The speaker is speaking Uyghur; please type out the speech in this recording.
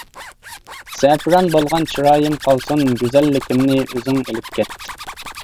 زەپىران بولغان چىرايىم قالسۇن، گۈزەللىكىمنى ئۆزۈڭ ئېلىپ كەت.